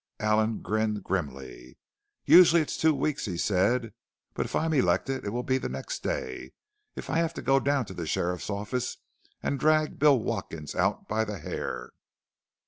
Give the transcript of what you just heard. Allen grinned grimly. "Usually it's two weeks," he said, "but if I'm elected it will be the next day if I have to go down to the sheriff's office and drag Bill Watkins out by the hair!"